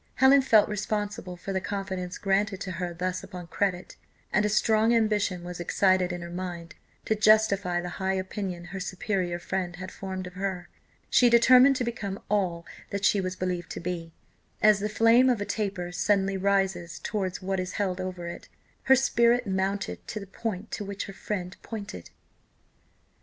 Helen felt responsible for the confidence granted to her thus upon credit, and a strong ambition was excited in her mind to justify the high opinion her superior friend had formed of her. She determined to become all that she was believed to be; as the flame of a taper suddenly rises towards what is held over it, her spirit mounted to the point to which her friend pointed.